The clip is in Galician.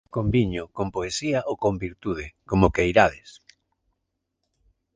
Con viño, con poesía ou con virtude, como queirades!